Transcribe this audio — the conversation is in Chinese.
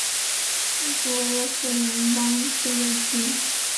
隶属俄罗斯联邦西北部联邦管区阿尔汉格尔斯克州涅涅茨自治区。